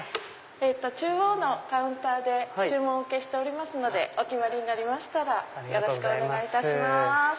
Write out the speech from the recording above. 中央のカウンターで注文をお受けしておりますのでお決まりになりましたらよろしくお願いいたします。